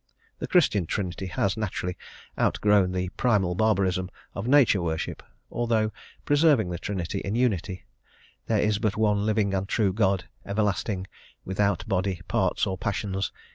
The Christian Trinity has, naturally, outgrown the primal barbarism of Nature worship, although preserving the Trinity in unity: "There is but one living and true God, everlasting, without body, parts, or passions...